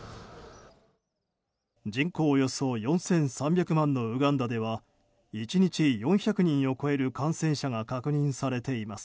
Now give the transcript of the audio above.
人口およそ４３００万のウガンダでは１日４００人を超える感染者が確認されています。